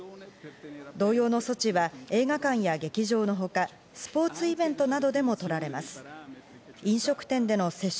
同様の措置は映画館や劇場のほか、スポーツイベントなどでもとられます。